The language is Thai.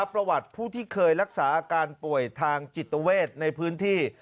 ประวัติผู้ที่เคยรักษาอาการป่วยทางจิตเวทในพื้นที่